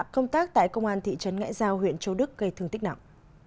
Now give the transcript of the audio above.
công tác tại công an thị trấn ngãi giao huyện châu đức gây thương tích nặng